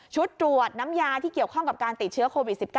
ตรวจน้ำยาที่เกี่ยวข้องกับการติดเชื้อโควิด๑๙